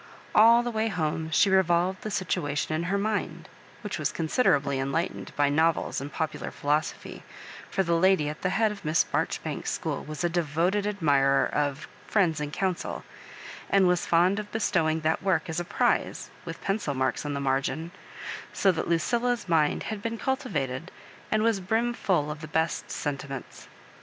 All the way home she revolved the situation In her mind, which was considerably enlightened by novels and popular philosophy — ^for the lady at the head of Miss Harjoribanks's school was a devoted admirer of ^Vneudss in Council," and was fond of bestow ing that work as a prize, with pencil marks on the margiu— so that LuciUa's mind had been cultivated, and was brimful of the best of senti fflents.